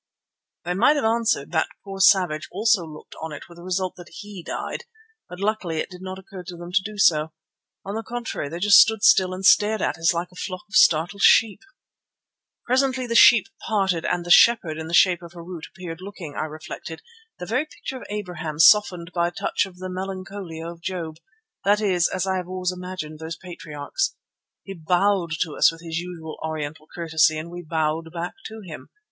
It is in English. They might have answered that poor Savage also looked on it with the result that he died, but luckily it did not occur to them to do so. On the contrary, they just stood still and stared at us like a flock of startled sheep. Presently the sheep parted and the shepherd in the shape of Harût appeared looking, I reflected, the very picture of Abraham softened by a touch of the melancholia of Job, that is, as I have always imagined those patriarchs. He bowed to us with his usual Oriental courtesy, and we bowed back to him.